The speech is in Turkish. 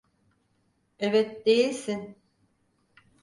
Evet, değilsin.